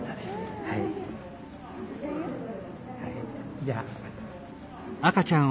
はいじゃあ。